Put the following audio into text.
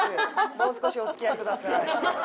もう少しお付き合いください。